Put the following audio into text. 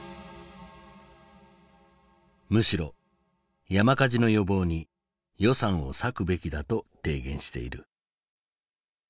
むしろ山火事の予防に予算を割くべきだと提言している。